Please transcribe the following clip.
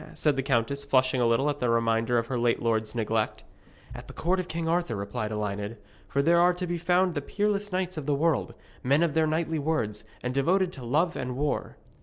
said the countess, flushing a little at the reminder of her late lord's neglect. 'At the court of King Arthur,' replied Elined; 'for there are to be found the peerless knights of the world, men of their knightly words, and devoted to love and war.